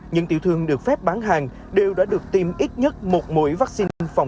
những tiểu thương được phép bán hàng đều đã được tiêm ít nhất một mũi vaccine phòng